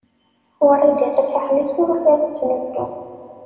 Wrida Tasaḥlit ur la tettnuddum.